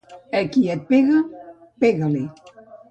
Al qui et pega, pega-li.